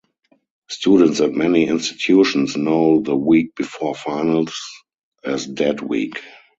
Students at many institutions know the week before finals as dead week.